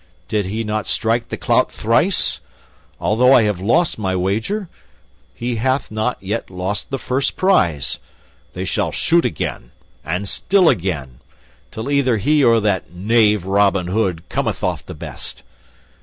Did he not strike the clout thrice? Although I have lost my wager, he hath not yet lost the first prize. They shall shoot again, and still again, till either he or that knave Robin Hood cometh off the best.